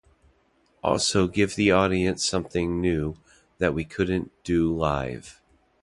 Also give the audience something new that we couldn't do live.